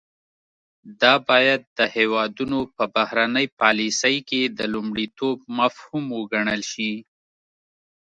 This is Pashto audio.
دا باید د هیوادونو په بهرنۍ پالیسۍ کې د لومړیتوب مفهوم وګڼل شي